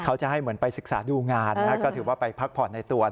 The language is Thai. เขาจะให้เหมือนไปศึกษาดูงานก็ถือว่าไปพักผ่อนในตัว